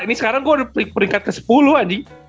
ini sekarang gue udah peringkat ke sepuluh adi